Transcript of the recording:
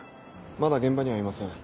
まだ現場にはいません。